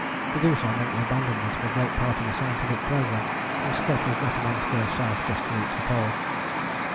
To do so meant the abandonment of a great part of the scientific programme, and Scott was not a man to go south just to reach the Pole.